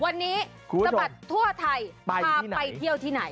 วันนี้สะบัดทั่วไทยพาไปเที่ยวที่ไหน